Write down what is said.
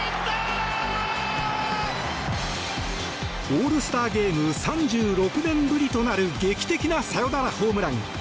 オールスターゲーム３６年ぶりとなる劇的なサヨナラホームラン。